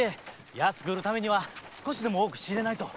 安く売るためには少しでも多く仕入れないと。